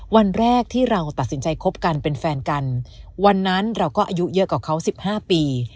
วันแรกที่เราตัดสินใจคบกันเป็นแฟนกันวันนั้นเราก็อายุเยอะกว่าเขา๑๕ปี